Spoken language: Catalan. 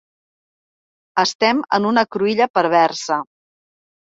Estem en una cruïlla perversa.